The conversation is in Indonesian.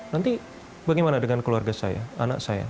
nanti bagaimana dengan keluarga saya anak saya